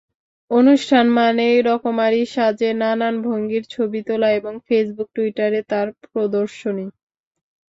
অনুষ্ঠান মানেই রকমারি সাজে নানান ভঙ্গির ছবি তোলা এবং ফেসবুক-টুইটারে তার প্রদর্শনী।